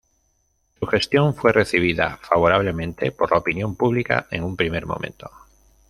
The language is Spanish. Su gestión fue recibida favorablemente por la opinión pública en un primer momento.